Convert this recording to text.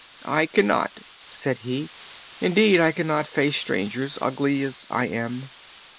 "I cannot," said he; "indeed, I cannot face strangers, ugly as I am."